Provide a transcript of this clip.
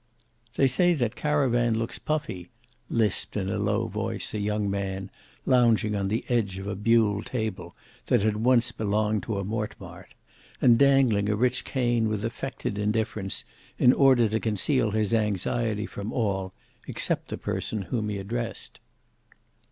"They say that Caravan looks puffy," lisped in a low voice a young man, lounging on the edge of a buhl table that had once belonged to a Mortemart, and dangling a rich cane with affected indifference in order to conceal his anxiety from all, except the person whom he addressed.